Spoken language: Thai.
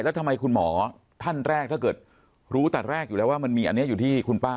แล้วทำไมคุณหมอท่านแรกถ้าเกิดรู้แต่แรกอยู่แล้วว่ามันมีอันนี้อยู่ที่คุณป้า